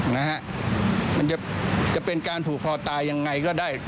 มันจะเป็นการถูกคอตายอย่างไรก็ได้